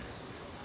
kamu ada kameranya